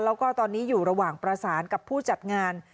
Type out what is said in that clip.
แล้วก็ตอนนี้อยู่ระหว่างประสานกับผู้จัดงาน